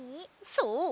そう！